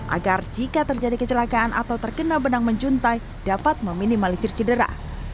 agar jika terjadi kecelakaan atau terkena benang menjuntai dapat meminimalisir cedera